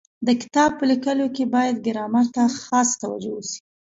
د کتاب په لیکلو کي باید ګرامر ته خاصه توجو وسي.